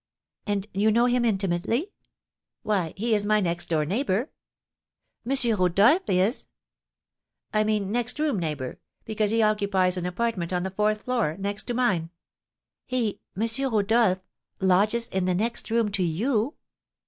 "And you know him intimately?" "Why, he is my next door neighbour." "M. Rodolph is?" "I mean next room neighbour; because he occupies an apartment on the fourth floor, next to mine." "He M. Rodolph lodges in the next room to you?"